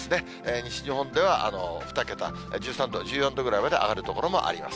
西日本では２桁、１３度、１４度ぐらいまで上がる所もあります。